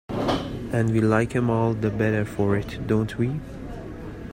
And we like 'em all the better for it, don't we?